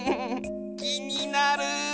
きになる！